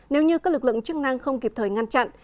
nếu như các lực lượng chức năng không kịp thời ngăn chặn